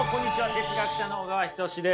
哲学者の小川仁志です。